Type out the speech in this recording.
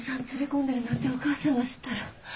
連れ込んでるなんてお母さんが知ったら。